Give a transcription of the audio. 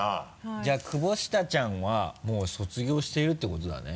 じゃあ久保下ちゃんはもう卒業しているってことだね。